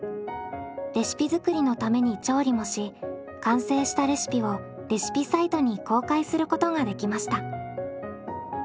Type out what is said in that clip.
レシピ作りのために調理もし完成したレシピをレシピサイトに公開することができました。